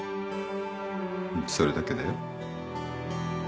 うんそれだけだよ。